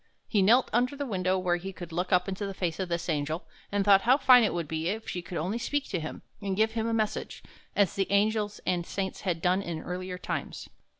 He knelt under the window, where he could look up into the face of this Angel, and thought how fine it would be if she could only speak to him, and give him a message, as the angels and saints had done in earlier times.